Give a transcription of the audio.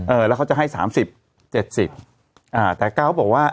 แล้วเขาจะให้สามสิบเจ็ดสิบอ่าแต่ก้าวบอกว่า